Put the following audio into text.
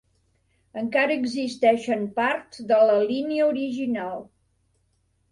Encara existeixen parts de la línia original.